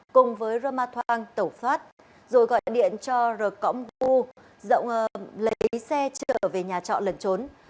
cùng với raman thong tẩu thoát rồi gọi điện cho r kom gu dọng lấy xe trở về nhà trọ lần trốn